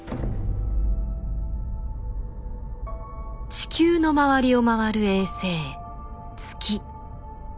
地球の周りを回る衛星「月」。